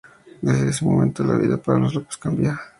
Desde ese momento la vida para los López cambia.